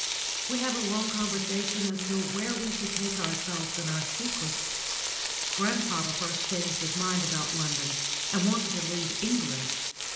We had a long conversation as to where we should take ourselves and our secret. Grandpapa first changed his mind about London, and wanted to leave England.